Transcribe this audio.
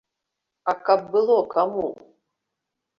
А каб было каму?